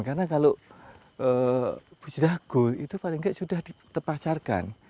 karena kalau sudah gold itu paling tidak sudah terpasarkan